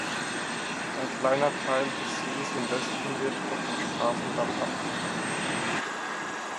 Ein kleiner Teil des Sees im Westen wird durch den Straßendamm abgetrennt.